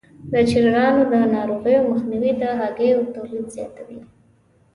د چرګانو د ناروغیو مخنیوی د هګیو تولید زیاتوي.